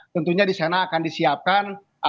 tentunya di sana akan disiapkan